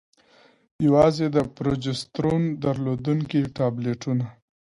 يوازې د پروجسترون درلودونكي ټابليټونه: